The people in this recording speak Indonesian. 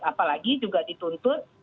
apalagi juga dituntut